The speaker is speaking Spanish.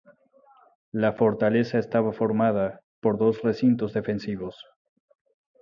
La fortaleza estaba formada por dos recintos defensivos.